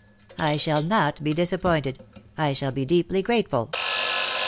^^^' I shall not be disappointed — I sh^l be deeply grateful."